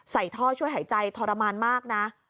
ใส่ท่อช่วยหายใจทรมานมากนะ